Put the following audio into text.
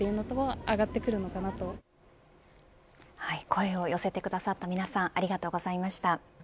声を寄せてくださった皆さんありがとうございました。